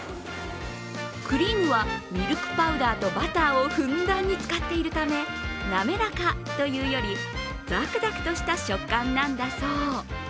クリームはミルクパウダーとバターをふんだんに使っているため滑らかというよりザクザクとした食感なんだそう。